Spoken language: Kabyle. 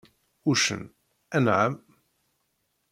Uccen: Anεam.